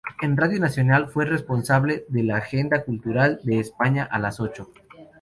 En Radio Nacional fue responsable de la Agenda Cultural de España a las Ocho.